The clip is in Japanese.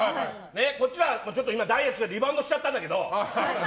こっちは、今ダイエットしてリバウンドしちゃったんだけど。